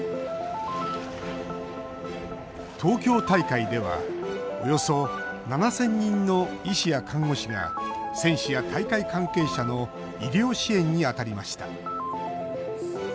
東京大会ではおよそ７０００人の医師や看護師が選手や大会関係者の医療支援に当たりました。